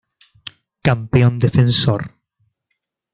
Campeón defensor.